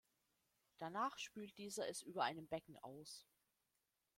Danach spült dieser es über einem Becken aus.